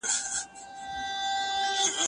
کېدای سي انځورونه خراب وي؟